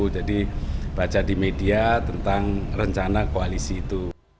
jadi baca di media tentang rencana koalisi itu